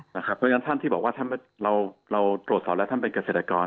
เพราะฉะนั้นท่านที่บอกว่าถ้าเราตรวจสอบแล้วท่านเป็นเกษตรกร